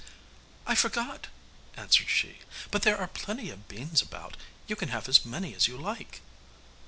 'I forgot,' answered she, 'but there are plenty of beans about, you can have as many as you like.